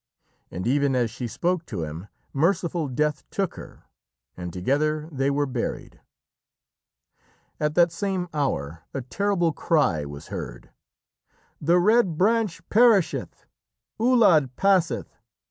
And even as she spoke to him, merciful Death took her, and together they were buried. At that same hour a terrible cry was heard: "_The Red Branch perisheth! Uladh passeth!